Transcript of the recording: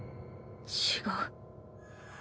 違う。